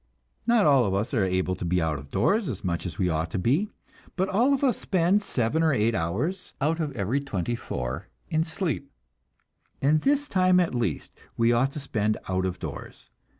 Not all of us are able to be out of doors as much as we ought to be, but all of us spend seven or eight hours out of every twenty four in sleep, and this time at least we ought to spend out of doors.